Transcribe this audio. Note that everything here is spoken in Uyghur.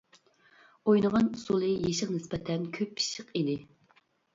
ئوينىغان ئۇسۇلى يېشىغا نىسبەتەن كۆپ پىششىق ئىدى.